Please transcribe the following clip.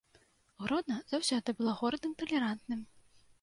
Гродна заўсёды была горадам талерантным.